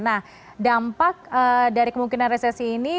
nah dampak dari kemungkinan resesi ini